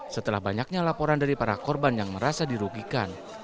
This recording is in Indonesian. setelah banyaknya laporan dari para korban yang merasa dirugikan